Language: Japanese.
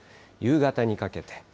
夕方にかけて。